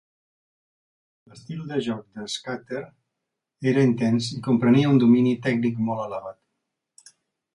L'estil de joc de Starker era intens i comprenia un domini tècnic molt elevat.